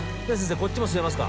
こっちも吸えますか？